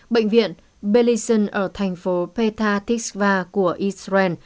bệnh viện belizean ở thành phố petah tikva của israel